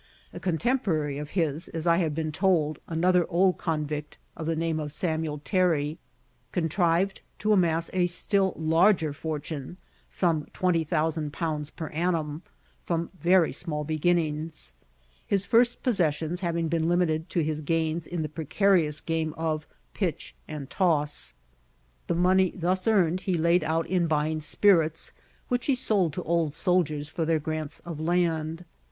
A contemporary of his, as I have been told, another old convict, of the name of Samuel Terry, contrived to amass a still larger fortune (some Ż20,000 per annum) from very small beginnings; his first possessions having been limited to his gains at the precarious game of "pitch and toss." The money thus earned he laid out in buying spirits, which he sold to old soldiers for their grants of land.